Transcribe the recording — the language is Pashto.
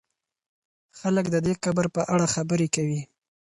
خلک د دې قبر په اړه خبرې کوي.